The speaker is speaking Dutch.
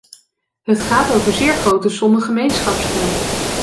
Het gaat over zeer grote sommen gemeenschapsgeld.